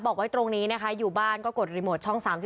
บอกไว้ตรงนี้นะคะอยู่บ้านก็กดรีโมทช่อง๓๒